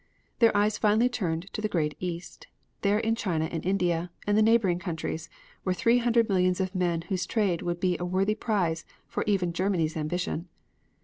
Their eyes finally turned to the great East. There in China and India and the neighboring countries were three hundred millions of men whose trade would be a worthy prize for even Germany's ambition.